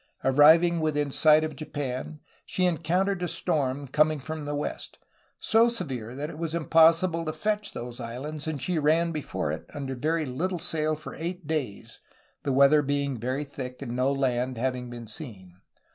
Arriving within sight of Japan she encountered a storm coming from the west, so severe that it was impossible to fetch those islands and she ran before it under very little sail for eight days, the weather being very thick and no land having been seen.